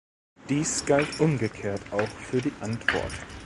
Dies galt umgekehrt auch für die Antwort.